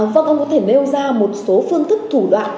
vâng ông có thể nêu ra một số phương thức thủ đoạn